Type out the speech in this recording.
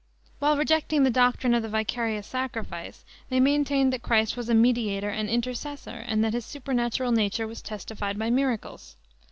While rejecting the doctrine of the "Vicarious sacrifice" they maintained that Christ was a mediator and intercessor, and that his supernatural nature was testified by miracles.